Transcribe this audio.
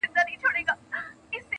o چي مو ګران افغانستان هنرستان سي,